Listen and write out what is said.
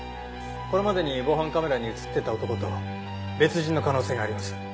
これまでに防犯カメラに映ってた男と別人の可能性があります。